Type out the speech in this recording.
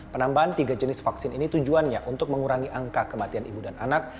penambahan tiga jenis vaksin ini tujuannya untuk mengurangi angka kematian ibu dan anak